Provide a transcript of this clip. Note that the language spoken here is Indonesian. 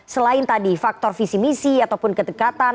selain tadi faktor visi misi ataupun kedekatan